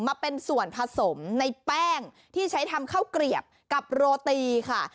มาเป็นส่วนผสมในแป้งที่ใช้ทำข้าวเกลียบกับโรตีค่ะ